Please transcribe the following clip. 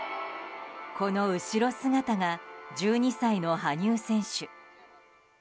この後ろ姿が１２歳の羽生選手。